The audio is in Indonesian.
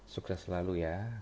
sukses selalu ya